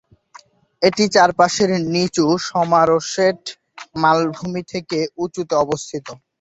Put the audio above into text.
এটি চারপাশের নিচু সমারসেট মালভূমি থেকে উঁচুতে অবস্থিত।